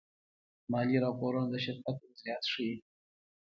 مالي راپورونه د شرکت وضعیت ښيي.